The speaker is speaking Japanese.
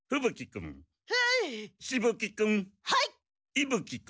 いぶ鬼君。